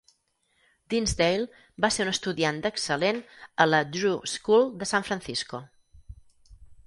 Dinsdale va ser un estudiant d'excel·lent a la Drew School de San Francisco.